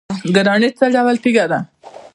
ګرانیټ څه ډول تیږه ده؟